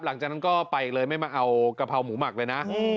หลังจากนั้นก็ไปอีกเลยไม่มาเอากะเพราหมูหมักเลยนะ